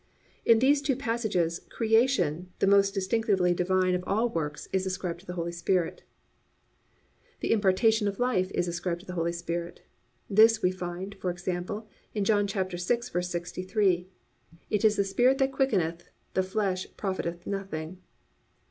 "+ In these two passages creation, the most distinctively divine of all works, is ascribed to the Holy Spirit. (2) The impartation of life is ascribed to the Holy Spirit. This we find, for example, in John 6:63: +"It is the Spirit that quickeneth; the flesh profiteth nothing."